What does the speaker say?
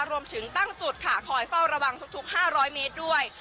รวมถึงตั้งจุดค่ะคอยเฝ้าระวังทุกทุกห้าร้อยเมตรด้วย